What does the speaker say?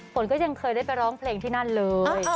ฝนก็ยังเคยได้ไปร้องเพลงที่นั่นเลย